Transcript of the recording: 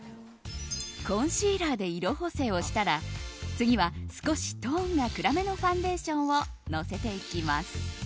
コンシーラーで色補正をしたら次は少しトーンが暗めのファンデーションをのせていきます。